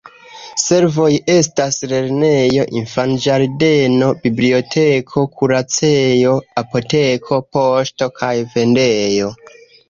Servoj estas lernejo, infanĝardeno, biblioteko, kuracejo, apoteko, poŝto kaj vendejoj.